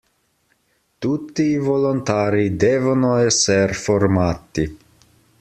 Tutti i volontari devono esser formati.